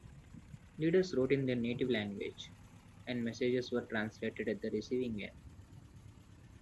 Leaders wrote in their native language and messages were translated at the receiving end.